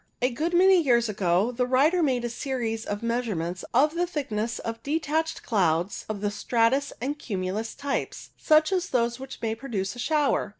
A good many years ago the writer made a series of measurements of the thickness of detached clouds of the stratus and cumulus types, such as those which may produce a shower.